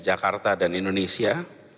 di jakarta dan indonesia